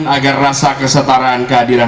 agar rasa kesetaraan keadilan